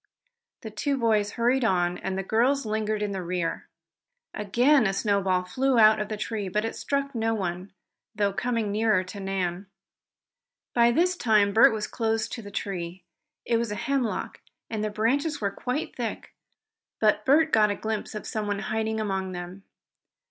The two boys hurried on, the girls lingering in the rear. Again a snowball flew out of the tree, but it struck no one, though coming near to Nan. By this time Bert was close to the tree. It was a hemlock, and the branches were quite thick, but Bert got a glimpse of someone hiding among them.